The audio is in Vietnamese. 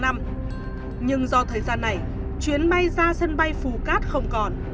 nhưng do thời gian này chuyến bay ra sân bay phú cát không còn